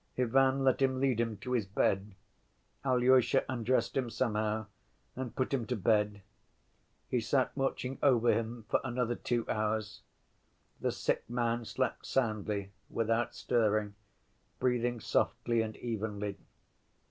Ivan let him lead him to his bed. Alyosha undressed him somehow and put him to bed. He sat watching over him for another two hours. The sick man slept soundly, without stirring, breathing softly and evenly.